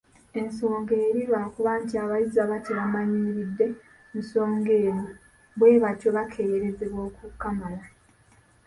Ensonga eri lwakuba nti abayizi baba tebamanyiridde nsonga eno, bwe batyo bakeeyerezebwa okukamala.